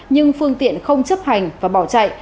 nhưng phương tiện không chấp hành và bỏ chạy